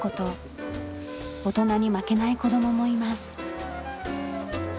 大人に負けない子供もいます。